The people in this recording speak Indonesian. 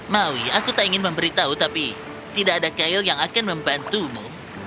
maui aku tak ingin memberitahu tapi tidak ada kail yang akan membantumu